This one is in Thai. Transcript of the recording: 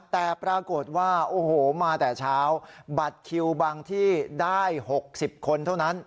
แต่ปรากฏว่าโอ้โหมาแต่เช้าบัตรคิวบางที่ได้๖๐คนเท่านั้น